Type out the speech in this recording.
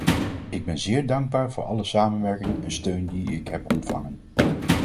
Ik ben zeer dankbaar voor alle samenwerking en steun die ik heb ontvangen.